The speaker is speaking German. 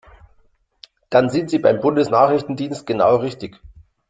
Dann sind Sie beim Bundesnachrichtendienst genau richtig!